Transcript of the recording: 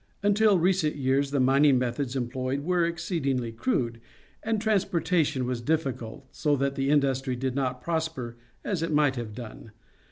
Until recent years the mining methods employed were exceed ingly crude, and transportation was difficult, so that the industry did not prosper as it might have done.